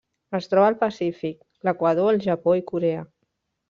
Es troba al Pacífic: l'Equador, el Japó i Corea.